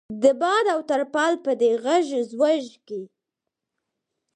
د باد او ترپال په دې غږ ځوږ کې.